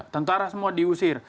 tentara semua diusir